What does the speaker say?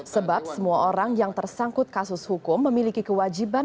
sebab semua orang yang tersangkut kasus hukum memiliki kewajiban